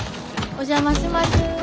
お邪魔します。